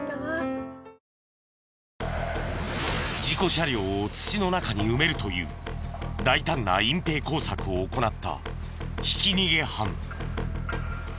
事故車両を土の中に埋めるという大胆な隠蔽工作を行ったひき逃げ犯。